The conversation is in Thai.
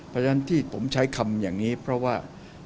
เพราะฉะนั้นที่ผมใช้คำอย่างนี้เพราะว่า